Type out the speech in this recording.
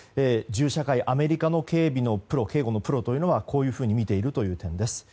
銃社会アメリカの警護のプロはこういうふうに見ているという点です。